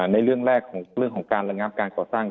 ในเรื่องแรกเรื่องของการระงับการก่อสร้าง